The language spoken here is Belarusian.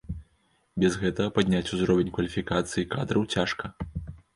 Без гэтага падняць узровень кваліфікацыі кадраў цяжка.